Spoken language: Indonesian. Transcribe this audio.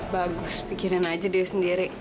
bagus pikirin aja diri sendiri